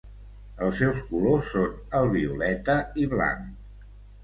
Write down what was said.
Els seus colors són el violeta i blanc.